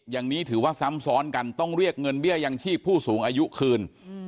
อย่างนี้ถือว่าซ้ำซ้อนกันต้องเรียกเงินเบี้ยยังชีพผู้สูงอายุคืน